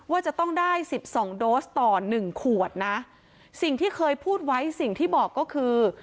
ว่าจะต้องได้สิบสองโดสต่อหนึ่งขวดนะสิ่งที่เคยพูดไว้สิ่งที่บอกก็คือ